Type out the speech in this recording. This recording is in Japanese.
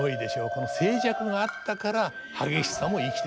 この静寂があったから激しさも生きてくるわけです。